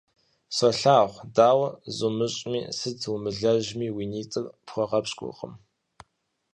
Солъагъу, дауэ зумыщӀми, сыт умылэжьми уи нитӀыр пхуэгъэпщкӀуркъым.